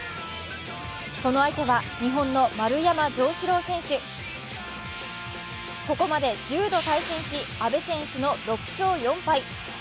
その相手は、日本の丸山城志郎選手ここまで１０度対戦し、阿部選手の６勝４敗。